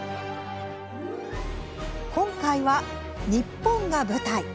今回は、日本が舞台。